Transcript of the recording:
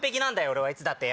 俺はいつだって。